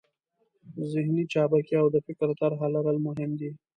ذهني چابکي او د فکر طرحه لرل مهم دي.